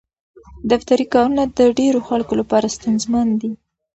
دفتري کارونه د ډېرو خلکو لپاره ستونزمن دي.